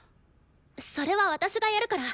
それは私がやるから。